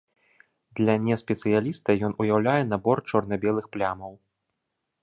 Для неспецыяліста ён уяўляе набор чорна-белых плямаў.